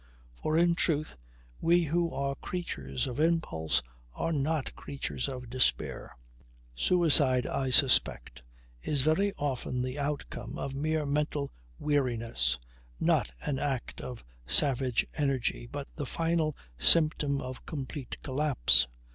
For in truth we who are creatures of impulse are not creatures of despair. Suicide, I suspect, is very often the outcome of mere mental weariness not an act of savage energy but the final symptom of complete collapse.